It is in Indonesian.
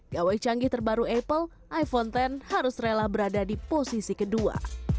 gawai canggih terbaru apple iphone x harus rela berada di posisi kedua